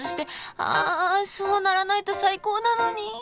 ああそうならないと最高なのに